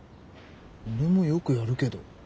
俺もよくやるけど。